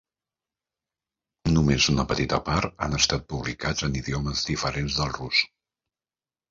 Només una petita part han estat publicats en idiomes diferents del rus.